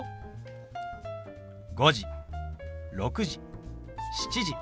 「５時」「６時」「７時」。